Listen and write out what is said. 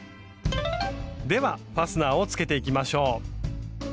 ではファスナーをつけていきましょう。